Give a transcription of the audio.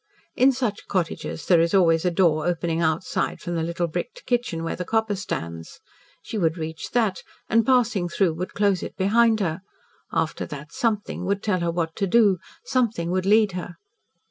In such cottages there is always a door opening outside from the little bricked kitchen, where the copper stands. She would reach that, and, passing through, would close it behind her. After that SOMETHING would tell her what to do something would lead her.